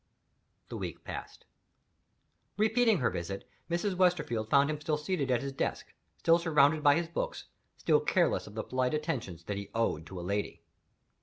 The week passed. Repeating her visit, Mrs. Westerfield found him still seated at his desk, still surrounded by his books, still careless of the polite attentions that he owed to a lady.